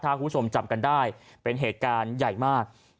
ถ้าคุณผู้ชมจำกันได้เป็นเหตุการณ์ใหญ่มาก